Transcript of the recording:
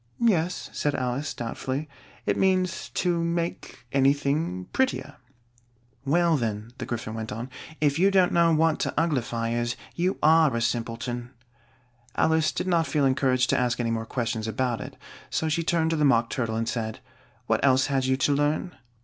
"Yes," said Alice, doubtfully; "it means to make anything prettier." "Well then," the Gryphon went on, "if you don't know what to uglify is, you are a simpleton." Alice did not feel encouraged to ask any more questions about it, so she turned to the Mock Turtle and said, "What else had you to learn?"